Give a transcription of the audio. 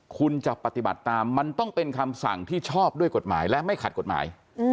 คุณจะปฏิบัติตามมันต้องเป็นคำสั่งที่ชอบด้วยกฎหมายและไม่ขัดกฎหมาย